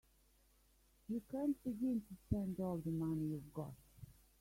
You can't begin to spend all the money you've got.